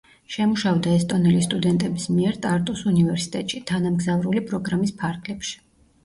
შემუშავდა ესტონელი სტუდენტების მიერ ტარტუს უნივერსიტეტში, თანამგზავრული პროგრამის ფარგლებში.